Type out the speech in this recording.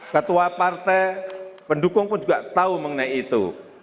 ketua partai pendukung pun juga tahu mengenai itu